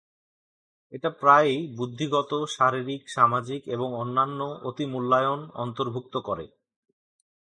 এটা প্রায়ই বুদ্ধিগত, শারীরিক, সামাজিক এবং অন্যান্য অতিমূল্যায়ন অন্তর্ভুক্ত করে।